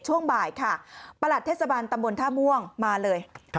ช่วงบ่ายค่ะประหลัดเทศบาลตำบลท่าม่วงมาเลย